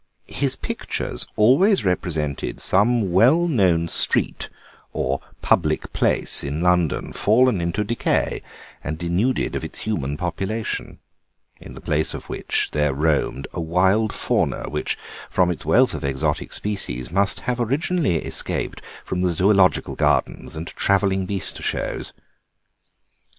His pictures always represented some well known street or public place in London, fallen into decay and denuded of its human population, in the place of which there roamed a wild fauna, which, from its wealth of exotic species, must have originally escaped from Zoological Gardens and travelling beast shows.